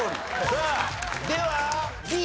さあではＢ。